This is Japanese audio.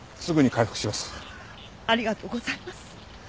ありがとうございます。